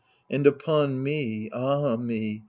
And upon me — ^ah me !